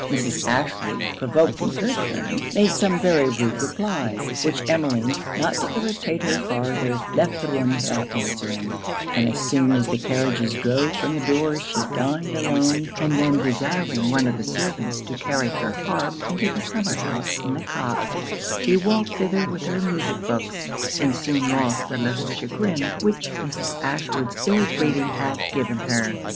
Mrs. Ashwood, provoked in her turn, made some very rude replies, which Emmeline, not to irritate her farther, left the room without answering; and as soon as the carriages drove from the door, she dined alone, and then desiring one of the servants to carry her harp into the summer house in the copse, she walked thither with her music books, and soon lost the little chagrin which Mrs. Ashwood's ill breeding had given her.